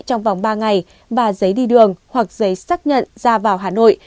trong vòng ba ngày và giấy đi đường hoặc giấy xác nhận ra vào hà nội